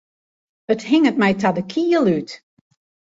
It hinget my ta de kiel út.